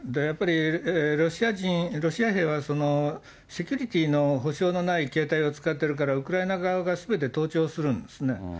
やっぱり、ロシア兵は、セキュリティーの保証のない携帯を使ってるから、ウクライナ側がすべて盗聴するんですね。